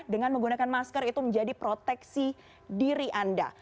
dengan menggunakan masker itu menjadi proteksi diri anda